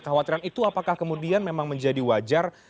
kekhawatiran itu apakah kemudian memang menjadi wajar